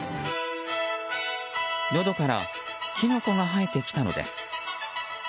のどからキノコが生えてきたのです。